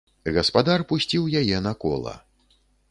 Гаспадар пусціў яе на кола.